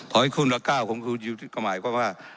ถอยคนละ๙ของคุณประยุทธ์ก็หมายความว่า